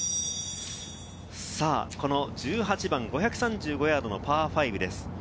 この１８番、５３５ヤードのパー５です。